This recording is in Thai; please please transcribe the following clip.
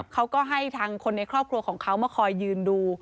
เขาก็ให้ทางคนในครอบครัวของเขามาคอยยืนดู